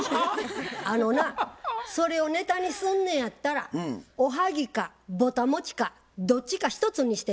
あのなそれをネタにすんのやったらおはぎかぼたもちかどっちか１つにして。